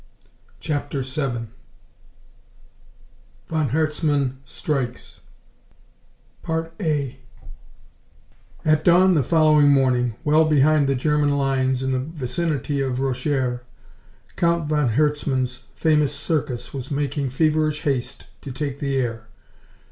CHAPTER VII Von Herzmann Strikes 1 At dawn the following morning, well behind the German lines in the vicinity of Roncheres, Count von Herzmann's famous Circus was making feverish haste to take the air.